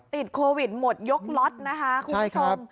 ติดโควิดหมดยกล็อตนะคะคุณผู้ชม